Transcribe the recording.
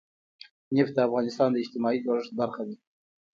نفت د افغانستان د اجتماعي جوړښت برخه ده.